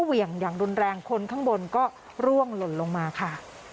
เหวี่ยงอย่างรุนแรงคนข้างบนก็ร่วงหล่นลงมาค่ะ